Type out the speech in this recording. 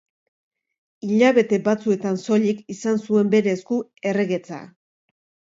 Hilabete batzuetan soilik izan zuen bere esku erregetza.